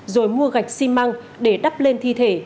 rồi mua gạch xi măng để đắp lên thi thể